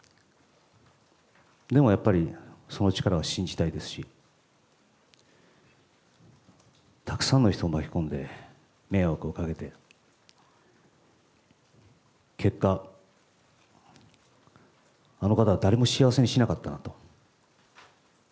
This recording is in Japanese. でもやっぱり、その力を信じたいですし、たくさんの人を巻き込んで迷惑をかけて、結果、あの方は誰も幸せにしなかったなと、